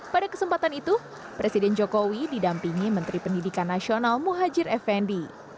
pada kesempatan itu presiden jokowi didampingi menteri pendidikan nasional muhajir effendi